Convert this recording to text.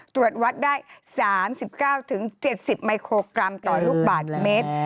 ตรวจวัดได้๓๙๗๐มิโครกรัมต่อลูกบาทเมตร